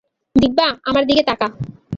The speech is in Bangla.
দিব্যা, আমার দিকে তাকা।